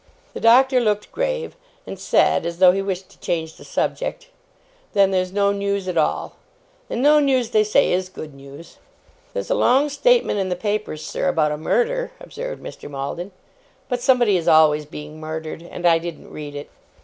The Doctor looked grave, and said, as though he wished to change the subject, 'Then there's no news at all; and no news, they say, is good news.' 'There's a long statement in the papers, sir, about a murder,' observed Mr. Maldon. 'But somebody is always being murdered, and I didn't read it.